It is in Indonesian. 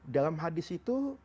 dalam hadis itu